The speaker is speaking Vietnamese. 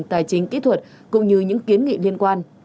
tài chính kỹ thuật cũng như những kiến nghị liên quan